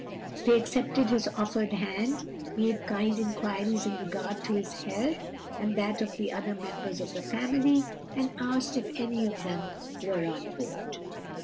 They accepted his offered hand, made kind inquiries in regard to his health and that of the other members of the family, and asked if any of them were on board.